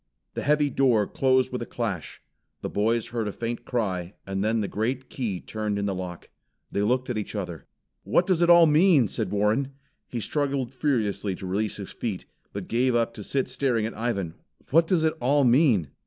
The heavy door closed with a clash. The boys heard a faint cry, and then the great key turned in the lock. They looked at each other. "What does it all mean?" said Warren. He struggled furiously to release his feet, but gave up to sit staring at Ivan. "What does it all mean?"